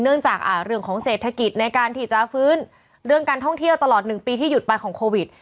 เรื่องของเศรษฐกิจในการที่จะฟื้นเรื่องการท่องเที่ยวตลอด๑ปีที่หยุดไปของโควิด